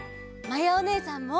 まやおねえさんも！